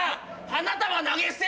花束投げ捨て。